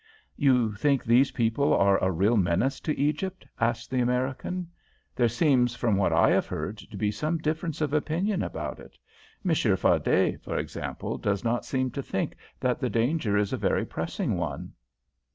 "You think these people are a real menace to Egypt?" asked the American. "There seems from what I have heard to be some difference of opinion about it. Monsieur Fardet, for example, does not seem to think that the danger is a very pressing one."